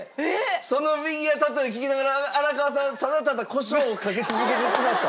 そのフィギュア例えを聞きながら荒川さんただただコショウをかけ続けていきました。